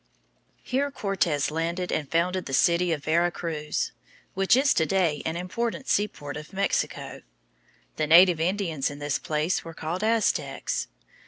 Here Cortes landed and founded the city of Vera Cruz, which is to day an important seaport of Mexico. The native Indians in this place were called Aztecs.